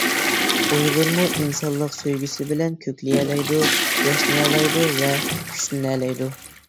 ئۇيغۇرمۇ ئىنسانلىق سۆيگۈسى بىلەن كۆكلىيەلەيدۇ، ياشنىيالايدۇ ۋە كۈچلىنەلەيدۇ!